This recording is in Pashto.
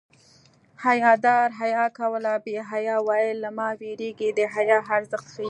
حیادار حیا کوله بې حیا ویل له ما وېرېږي د حیا ارزښت ښيي